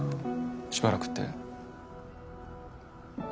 しばらくって？